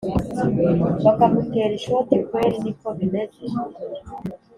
bakamutera ishoti kweri niko bimeze